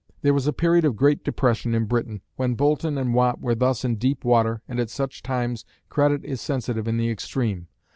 There was a period of great depression in Britain when Boulton and Watt were thus in deep water, and at such times credit is sensitive in the extreme.